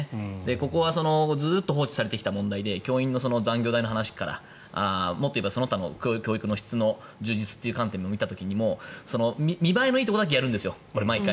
ここはずっと放置されてきた問題で教員の残業代の話からもっと言えばその他の教育の充実の質の観点から見ても見栄えのいいところだけやるんですよ毎回。